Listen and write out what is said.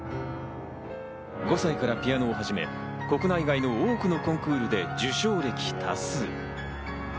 ５歳からピアノを始め、国内外の多くのコンクールで受賞歴多数。